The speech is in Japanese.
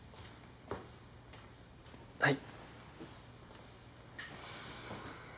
はい。